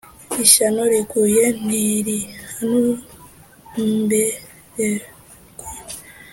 ishyano riguye ntirihanumbersrwa,